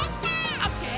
「オッケー！